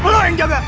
lu yang jaga